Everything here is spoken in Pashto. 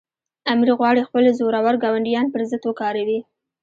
امیر غواړي خپل زورور ګاونډیان پر ضد وکاروي.